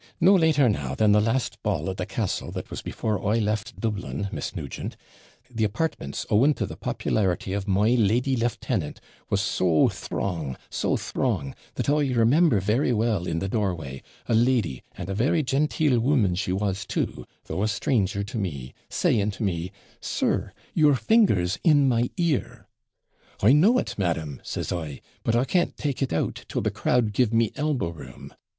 No later now than the last ball at the Castle that was before I left Dublin, Miss Nugent the apartments, owing to the popularity of my lady lieutenant, was so throng so throng that I remember very well, in the doorway, a lady and a very genteel woman she was too, though a stranger to me saying to me, "Sir, your finger's in my ear." "I know it, madam," says I, "but I can't take it out till the crowd give me elbow room."